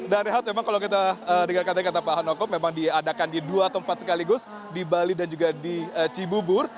dan rehat memang kalau kita dengar katanya kata pak noko memang diadakan di dua tempat sekaligus di bali dan juga di cibubur